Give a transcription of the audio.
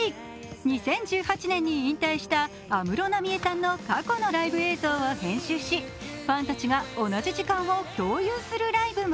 ２０１８年に引退した安室奈美恵さんの過去のライブ映像を編集しファンたちが同じ時間を共有するライブも。